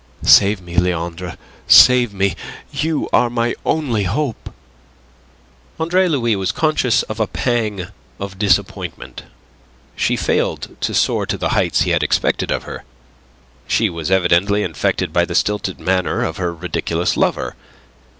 Save me, Leandre. Save me! You are my only hope." Andre Louis was conscious of a pang of disappointment. She failed to soar to the heights he had expected of her. She was evidently infected by the stilted manner of her ridiculous lover.